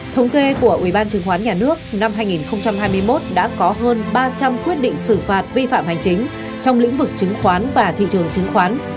thống kê của ubnd năm hai nghìn hai mươi một đã có hơn ba trăm linh quyết định xử phạt vi phạm hành chính trong lĩnh vực chứng khoán và thị trường chứng khoán